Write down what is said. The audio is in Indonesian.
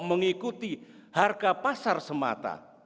mengikuti harga pasar semata